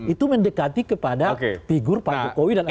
itu mendekati kepada figur pak jokowi dan anies